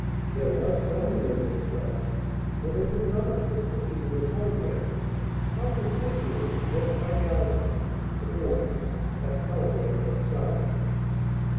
There was some remembrance left, or they would not have put cookies in a telegram. How impetuous and just like Allison, the boy, that telegram had sounded!